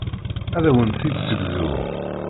Ad awen-t-id-ssegzuɣ.